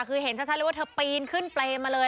คือเห็นชัดเลยว่าเธอปีนขึ้นเปรย์มาเลย